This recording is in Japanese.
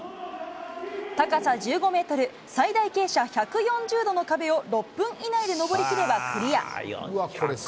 高さ１５メートル、最大傾斜１４０度の壁を６分以内で登りきればクリア。